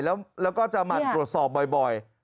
แล้วก็จะหมั่นตรวจสอบบ่อย